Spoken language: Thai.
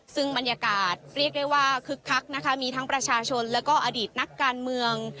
ซึ่งบรรยากาศเรียกได้ว่าคึกคักนะคะมีทั้งประชาชนแล้วก็อดีตนักการเมือง